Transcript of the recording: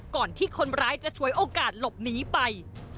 ก่อนที่คนร้ายจะฉวยโอกาสหลบหนีไป